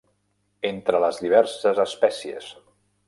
Entre les diverses espècies.